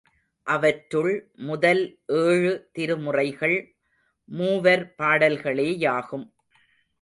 அவற்றுள் முதல் ஏழு திருமுறைகள் மூவர் பாடல்களேயாகும்.